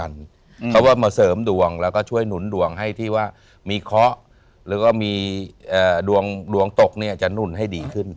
แล้วก็ช่วยหนุนดวงให้ที่ว่ามีเคาะแล้วก็มีดวงดวงตกเนี่ยจะหนุนให้ดีขึ้น